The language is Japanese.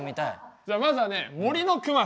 じゃあまずはね「森のくまさん」。